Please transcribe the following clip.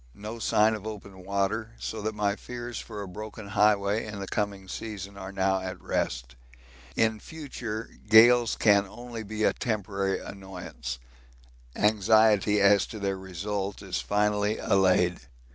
No sign of open water, so that my fears for a broken highway in the coming season are now at rest. In future gales can only be a temporary annoyance anxiety as to their result is finally allayed.